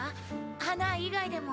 花以外でも。